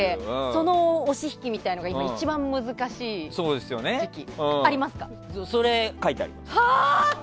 その押し引きみたいなのが今、一番難しい時期。